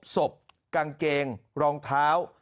ศพกางเกงรองเท้า